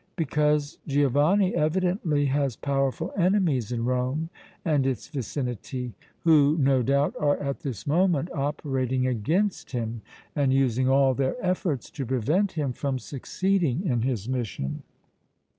"Because Giovanni evidently has powerful enemies in Rome and its vicinity who, no doubt, are at this moment operating against him and using all their efforts to prevent him from succeeding in his mission."